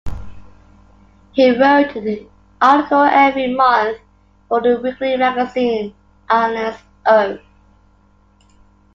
He wrote an article every month for the weekly magazine "Ireland's Own".